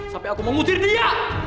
sampai aku mengusir dia